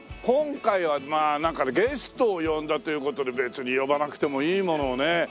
今回はまあなんかゲストを呼んだという事で別に呼ばなくてもいいものをね